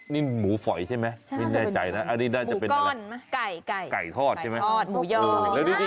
นี่หมูฝ่อยใช่มั้ยไม่แน่ใจนะอันนี้ก็จะหมู่ก้อนไก่ไก่ทอดใช่ไหมไก่ทกอดหมูเยาว์แล้วนี่ลาบ